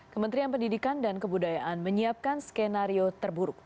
kementerian pendidikan dan kebudayaan menyiapkan skenario terburuk